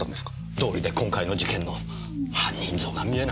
どおりで今回の事件の犯人像が見えなかったはずです。